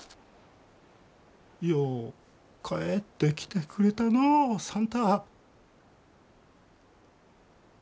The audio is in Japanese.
よう帰ってきてくれたのう算太。